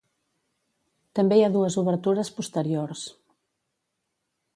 També hi ha dues obertures posteriors.